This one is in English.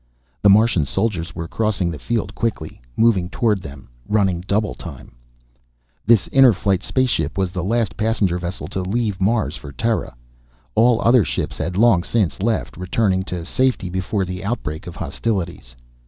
The Martian soldiers were crossing the field quickly, moving toward them, running double time. This Inner Flight spaceship was the last passenger vessel to leave Mars for Terra. All other ships had long since left, returning to safety before the outbreak of hostilities.